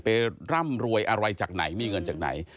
ร่ำรวยอะไรจากไหนมีเงินจากไหน